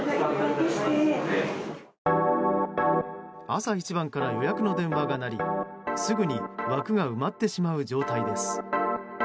朝一番から予約の電話が鳴りすぐに枠が埋まってしまう状態です。